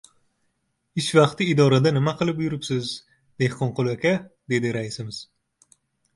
— Ish vaqti idorada nima qilib yuribsiz, Dehqonqul aka? — dedi raisimiz.